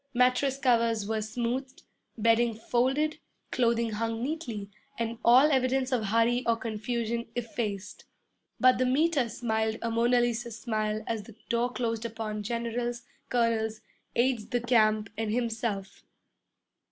Mattress covers were smoothed, bedding folded, clothing hung neatly, and all evidence of hurry or confusion effaced. But the Meter smiled a Mona Lisa smile as the door closed upon generals, colonels, aides de camp, and himself.